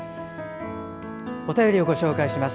お便りをご紹介します。